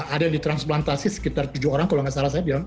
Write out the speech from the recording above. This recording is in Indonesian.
ada yang ditransplantasi sekitar tujuh orang kalau nggak salah saya bilang